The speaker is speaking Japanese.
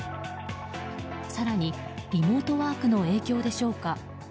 更に、リモートワークの影響でしょうか。